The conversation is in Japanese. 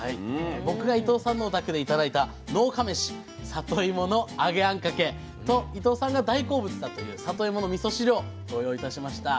僕が伊藤さんのお宅で頂いた農家めしさといもの揚げあんかけと伊藤さんが大好物だというさといものみそ汁をご用意いたしました。